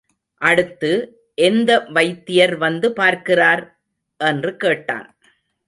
அடுத்து, எந்த வைத்தியர் வந்து பார்க்கிறார்? என்று கேட்டான்.